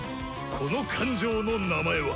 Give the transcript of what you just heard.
「この感情の名前は」。